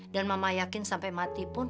dan mama yakin sampai mati pun